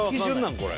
これ。